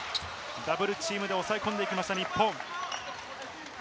ダブルチームで押さえ込んでいきました、日本。